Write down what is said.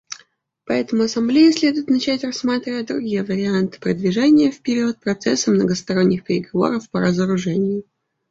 Поэтому Ассамблее следует начать рассматривать другие варианты продвижения вперед процесса многосторонних переговоров по разоружению.